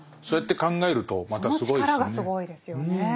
そうやって考えるとまたすごいですね。